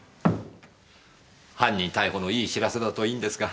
犯人逮捕のいい知らせだといいんですが。